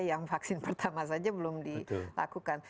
yang vaksin pertama saja belum dilakukan